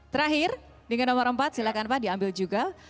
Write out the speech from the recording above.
terakhir dengan nomor empat silahkan pak diambil juga